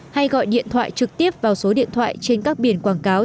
hay gọi điện thoại trực tiếp vào số điện thoại trên các biển quảng cáo